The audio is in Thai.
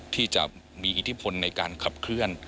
ที่จะมีอิทธิพลในการขับเคลื่อน